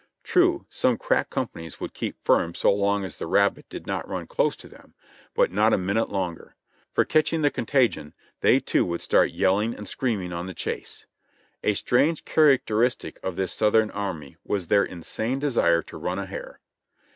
True, some crack companies would keep firm so long as the rabbit did not run close to them, but not a minute longer ; for catching the contagion, they too would start yelling and screaming on the chase. A strange characteristic of this Southern army was their insane desire to run a hare.